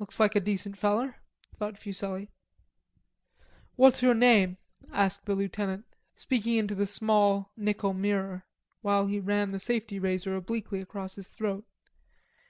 "Looks like a decent feller," thought Fuselli. "What's your name?" asked the lieutenant, speaking into the small nickel mirror, while he ran the safety razor obliquely across his throat.